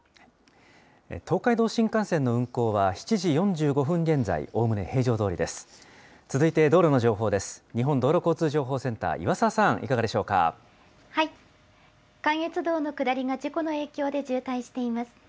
東海道新幹線の運行は７時４５分現在、おおむね平常どおりです。